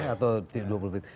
atau dua puluh menit